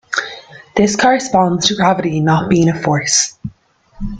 This corresponds to gravity not being a force.